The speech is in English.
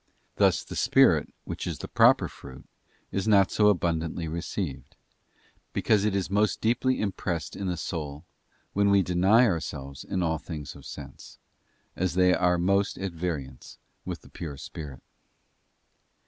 Thus the spirit, which is the proper fruit, is not so abundantly received; because it is most deeply impressed in the soul when we deny ourselves in all things of sense, as they are most at variance with the pure spirit.